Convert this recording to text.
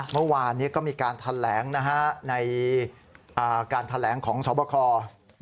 เมื่อวานก็มีการแถลงในการแถลงของชอบพลาคอร์